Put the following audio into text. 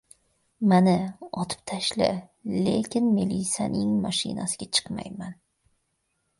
— Mana, otib tashla! Leking melisaning mashinasiga chiqmayman!